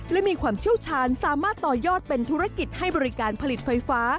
และมีความเชี่ยวชาญสามารถต่อยอดเป็นธุรกิจให้บริการผลิตไฟฟ้า